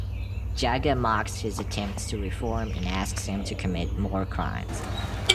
Jagga mocks his attempts to reform and asks him to commit more crimes.